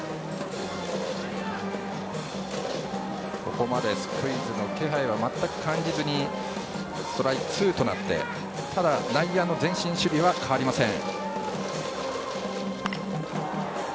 ここまでスクイズの気配は全く感じずにストライクツーとなってただ、内野の前進守備は変わりません。